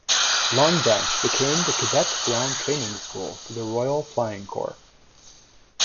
Long Branch became the Cadet Ground Training School for the Royal Flying Corps.